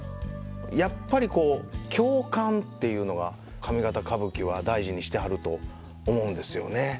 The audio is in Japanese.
やっぱりこう共感っていうのは上方歌舞伎は大事にしてはると思うんですよね。